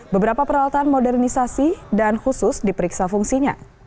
beberapa peralatan modernisasi dan khusus diperiksa fungsinya